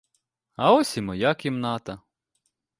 А ось і моя кімната!